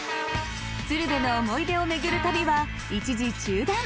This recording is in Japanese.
鶴瓶の思い出を巡る旅は一時中断。